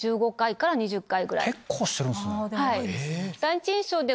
結構してるんすね。